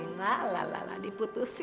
enggak lah lah lah diputusin